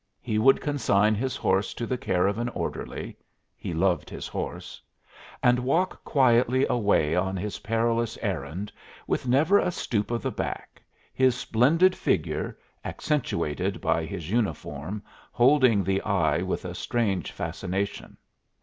He would consign his horse to the care of an orderly, he loved his horse, and walk quietly away on his perilous errand with never a stoop of the back, his splendid figure, accentuated by his uniform, holding the eye with a strange fascination.